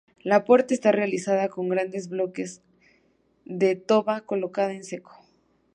La puerta está realizada con grandes bloques de toba colocada en seco.